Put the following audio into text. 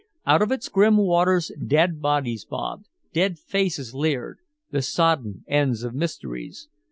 Out of its grim waters dead bodies bobbed, dead faces leered, the sodden ends of mysteries.